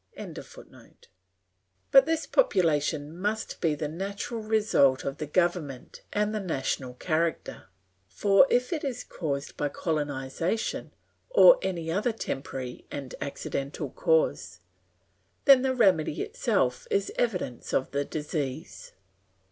] But this population must be the natural result of the government and the national character, for if it is caused by colonisation or any other temporary and accidental cause, then the remedy itself is evidence of the disease.